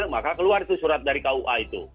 maka keluar itu surat dari kua itu